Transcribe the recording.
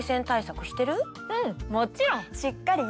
うんもちろん！